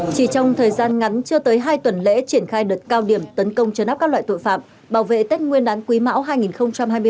chỉ trong thời gian ngắn chưa tới hai tuần lễ triển khai đợt cao điểm tấn công chấn áp các loại tội phạm bảo vệ tết nguyên đán quý mão hai nghìn hai mươi bốn